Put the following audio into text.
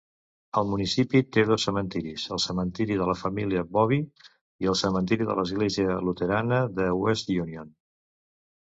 El municipi té dos cementiris: el cementiri de la família Bovy i el cementiri de l'església luterana de West Union.